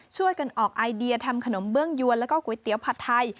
ช่วยกันออกไอเดียทำขนมเบื้องยวนแล้วก็ก๋วยเตี๋ยวผัดไทย